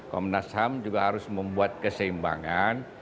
komnas ham juga harus membuat keseimbangan